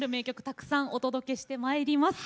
たくさんお届けしてまいります。